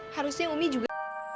harusnya umi juga